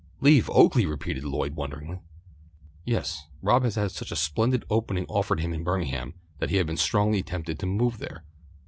"Leave Oaklea!" repeated Lloyd wonderingly. "Yes, Rob has had such a splendid opening offered him in Birmingham that he has been strongly tempted to move there.